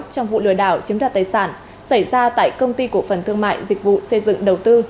trong vụ lừa đảo chiếm đoạt tài sản xảy ra tại công ty cổ phần thương mại dịch vụ xây dựng đầu tư